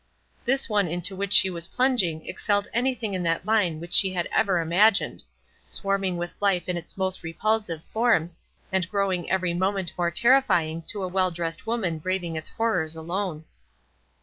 This one into which she was plunging excelled anything in that line which she had ever imagined, swarming with life in its most repulsive forms, and growing every moment more terrifying to a well dressed woman braving its horrors alone.